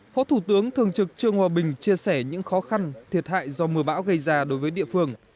phó thủ tướng thường trực trương hòa bình chia sẻ những khó khăn thiệt hại do mưa bão gây ra đối với địa phương